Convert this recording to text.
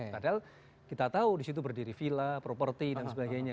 padahal kita tahu disitu berdiri vila properti dan sebagainya